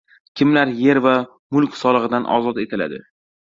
Kimlar yer va mulk solig‘idan ozod etiladi?